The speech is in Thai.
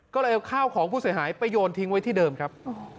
ก็เลยเอาข้าวของผู้เสียหายไปโยนทิ้งไว้ที่เดิมครับ